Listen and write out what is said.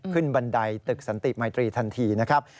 บันไดตึกสันติมัยตรีทันทีนะครับ